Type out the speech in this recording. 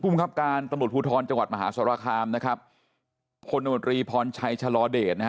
พุ่มครับการตำรวจภูทรจังหวัดมหาสรค์คลตรวจงครีพรชัยชะลอเดช